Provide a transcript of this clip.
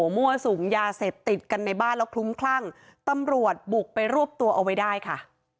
มั่วสุมยาเสพติดกันในบ้านแล้วคลุ้มคลั่งตำรวจบุกไปรวบตัวเอาไว้ได้ค่ะ